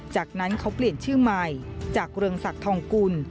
จากนั้นเขาเปลี่ยนชื่อใหม่จากเรืองศักดิ์ทองกุล